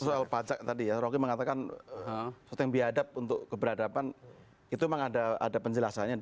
soal pajak tadi ya rocky mengatakan sesuatu yang biadab untuk keberadaban itu memang ada penjelasannya